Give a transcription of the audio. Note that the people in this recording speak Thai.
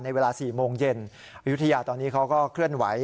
เวลา๔โมงเย็นอายุทยาตอนนี้เขาก็เคลื่อนไหว